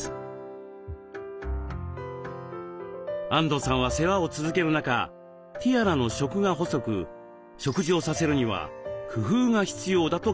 安藤さんは世話を続ける中ティアラの食が細く食事をさせるには工夫が必要だと気付きました。